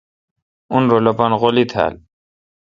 اؙن رل اپان غولی تھال۔